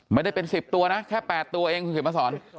ไม่ได้เป็น๑๐ตัวนะแค่๘ตัวเองคุณเขียนมาสอน